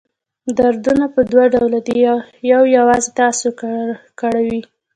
دردونه په دوه ډوله دي یو یوازې تاسو کړوي.